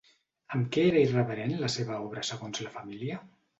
Amb què era irreverent la seva obra segons la seva família?